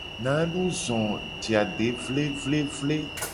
Nadu zo je ade vlevlevle.